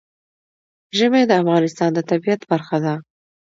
ژمی د افغانستان د طبیعت برخه ده.